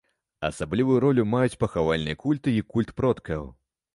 Асаблівую ролю маюць пахавальныя культы і культ продкаў.